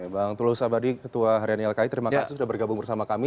bang tulus abadi ketua harian ylki terima kasih sudah bergabung bersama kami